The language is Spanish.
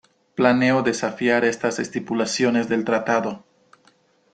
Planeó desafiar estas estipulaciones del tratado.